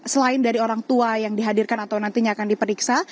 selain dari orang tua yang dihadirkan atau nantinya akan diperiksa